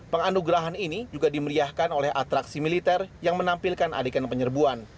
dan anugerahan ini juga dimeriahkan oleh atraksi militer yang menampilkan adegan korps